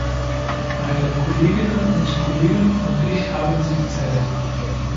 Meine Kolleginnen und Kollegen und ich haben sie gezählt.